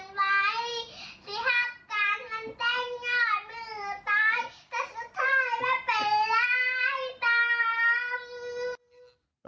สิหักการมันแต้งงอดเหมือตาย